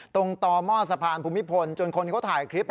ต่อหม้อสะพานภูมิพลจนคนเขาถ่ายคลิป